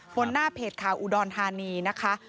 หน้าเพจข่าวอุดรธานีนะคะ